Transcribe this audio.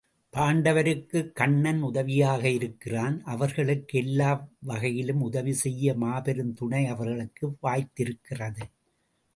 பாண்டவருக்குக் கண்ணன் உதவியாக இருக்கிறான் அவர்களுக்கு எல்லா வகையிலும் உதவி செய்ய மாபெரும் துணை அவர்களுக்கு வாய்த்திருக்கிறது.